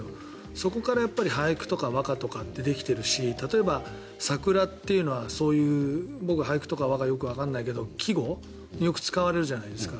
そこから俳句とか和歌とかってできているし桜っていうのはそういう、僕は俳句とか和歌はわからないけど季語によく使われるじゃないですか。